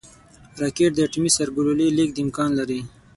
راکټ د اټومي سرګلولې لیږد امکان لري